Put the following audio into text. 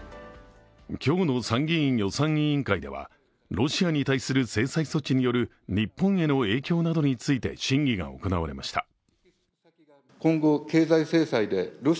今日の参議院予算委員会ではロシアに対する制裁措置による日本への影響について審議が行われました。